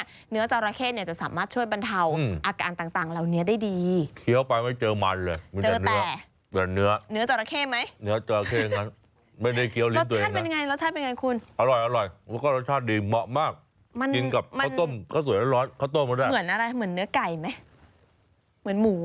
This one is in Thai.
เหมือนอะไรเหมือนเนื้อไก่ไหมเหมือนหมูไหม